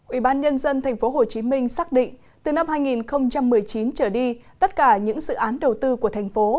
ủy ban nhân dân tp hcm xác định từ năm hai nghìn một mươi chín trở đi tất cả những dự án đầu tư của thành phố